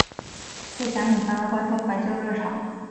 费翔引发了观众怀旧热潮。